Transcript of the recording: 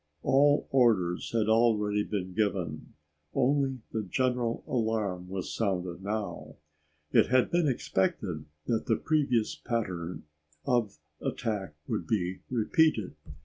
All orders had already been given. Only the general alarm was sounded now. It had been expected that the previous pattern of attack would be repeated.